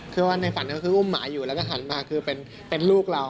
คือว่าในฝันก็คืออุ้มหมาอยู่แล้วก็หันมาคือเป็นลูกเรา